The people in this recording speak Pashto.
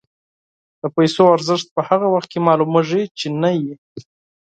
د پیسو ارزښت په هغه وخت کې معلومېږي چې نه وي.